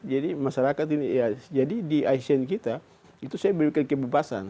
jadi di asn kita itu saya berikan kebebasan